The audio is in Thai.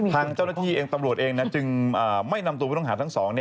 ทางเจ้าหน้าที่เองตำรวจเองจึงไม่นำตัวผู้ต้องหาทั้งสอง